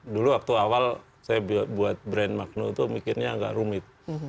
dulu waktu awal saya buat brand magnu itu mikirnya agak rumit